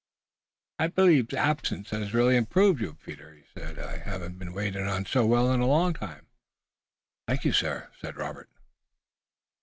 "I believe absence has really improved you, Peter," he said. "I haven't been waited on so well in a long time." "Thank you, sir," said Robert.